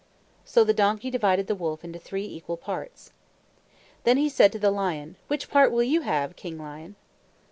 So the donkey divided the wolf into three equal parts. Then he said to the lion, "Which part will you have, King Lion?"